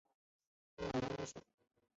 沅江澧水